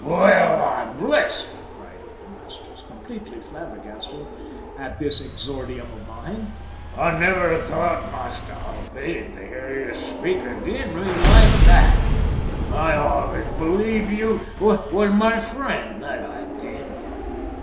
"Well I'm blessed!" cried old Masters, completely flabbergasted at this exordium of mine; "I never thought, Mister Haldane, to hear you speak ag'in me like that. I allays believed you was a friend, that I did."